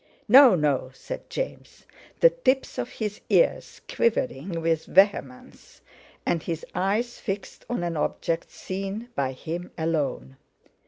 "No, no!" said James, the tips of his ears quivering with vehemence, and his eyes fixed on an object seen by him alone.